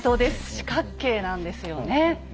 四角形なんですよね。